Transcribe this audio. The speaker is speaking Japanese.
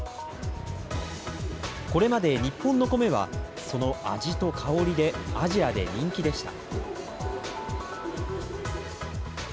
これまで日本の米は、その味と香りでアジアで人気でした。